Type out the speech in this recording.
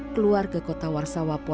keluar ke kota warsawa pola